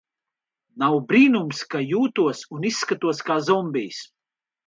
Nav brīnums, ka jūtos un izskatos kā zombijs.